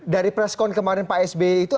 dari presscon kemarin pak sp itu